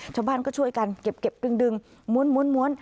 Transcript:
ชาวบ้านก็ช่วยกันเก็บดึงม้วน